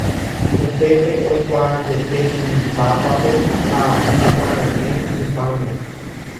Upépe oikuaajepékuri Pápape ha oñekuaveʼẽ Tupãme.